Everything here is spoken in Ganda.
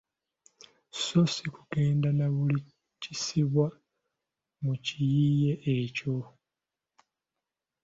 Sso si kugenda na buli kissibbwa mu kiyiiye ekyo.